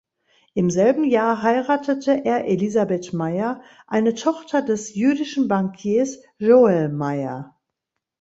Im selben Jahr heiratete er Elisabeth Meyer, eine Tochter des jüdischen Bankiers Joel Meyer.